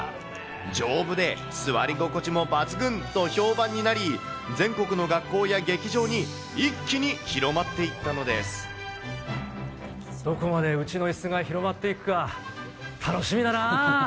丈夫で座り心地も抜群と評判になり、全国の学校や劇場に、どこまでうちのいすが広まっていくか、楽しみだな。